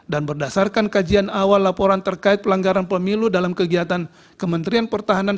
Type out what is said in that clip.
dan berdasarkan kajian awal laporan terkait pelanggaran pemilu dalam kegiatan kementerian pertahanan